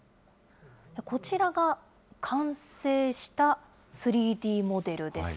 こちらが完成した３Ｄモデルです。